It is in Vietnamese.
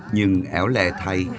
nhưng éo lè thay